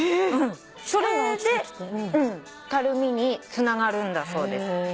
それでたるみにつながるんだそうです。